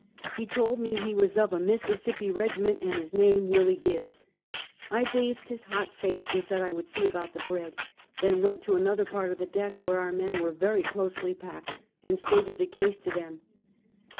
He told me he was of a Missis sippi regiment, and his name "Willis Gibbs. I bathed his hot face, and said I would see about the bread ; then went to another part of the deck, where our men were very closely packed, and stated the case to them.